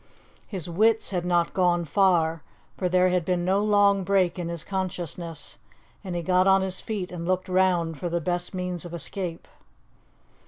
His wits had not gone far, for there had been no long break in his consciousness, and he got on his feet and looked round for the best means of escape.